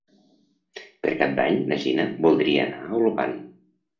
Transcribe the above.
Per Cap d'Any na Gina voldria anar a Olvan.